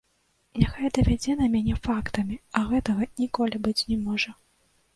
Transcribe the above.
Няхай давядзе на мяне фактамі, а гэтага ніколі быць не можа.